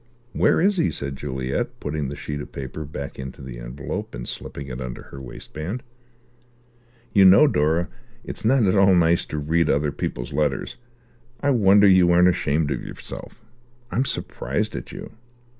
"Where is he?" said Juliet, putting the sheet of paper back into the envelope and slipping it under her waistband. "You know, Dora, it's not at all a nice thing to read other people's letters. I wonder you aren't ashamed of yourself. I'm surprised at you."